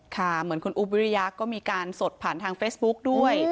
เหมือนคุณอุ๊บวิริยะก็มีการสดผ่านทางเฟซบุ๊กด้วย